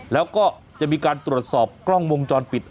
แล้วก็จะมีการตรวจสอบกล้องวงจรปิด